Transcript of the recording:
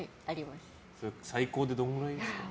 最高でどれくらいですか？